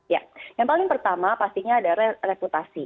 ya yang paling pertama pastinya ada reputasi